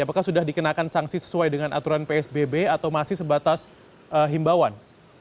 apakah sudah dikenakan sanksi sesuai dengan aturan psbb atau masih sebatas himbauan